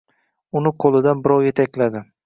U qo‘lidan birov yetakladi.